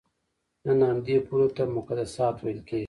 نن همدې پولو ته مقدسات ویل کېږي.